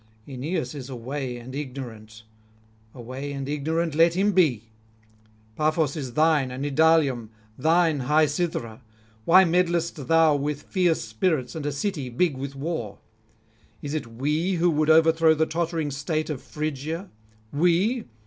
Aeneas is away and ignorant; away and ignorant let him be. Paphos is thine and Idalium, thine high Cythera; why meddlest thou with fierce spirits and a city big with war? Is it we who would overthrow the tottering state of Phrygia? we?